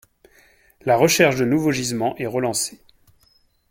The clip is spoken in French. La recherche de nouveaux gisements est relancée.